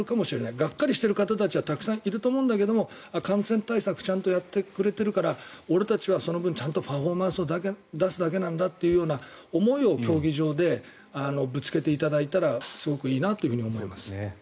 がっかりしている方たちはたくさんいると思うけど感染対策をやってくれているから俺たちはパフォーマンスを出すだけなんだという思いを競技場でぶつけていただいたらすごくいいなと思います。